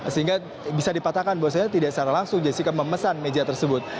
sehingga bisa dipatahkan bahwasannya tidak secara langsung jessica memesan meja tersebut